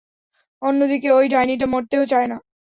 অন্যদিকে, ঐ ডাইনিটা, মরতেই চায় না।